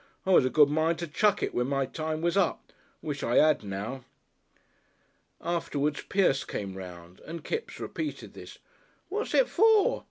I was a good mind to chuck it when my time was up. Wish I 'ad now." Afterwards Pierce came round and Kipps repeated this. "What's it for?"